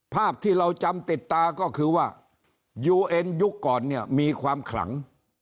ภาพที่เราจำติดตาก็คือว่ายูเอ็นยุคก่อนเนี่ยมีความขลัง